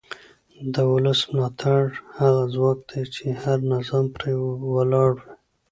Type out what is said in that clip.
د ولس ملاتړ هغه ځواک دی چې هر نظام پرې ولاړ وي